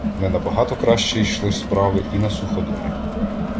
Не набагато краще йшли справи і на суходолі.